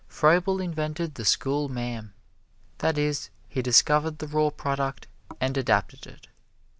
Froebel invented the schoolma'am. That is, he discovered the raw product and adapted it.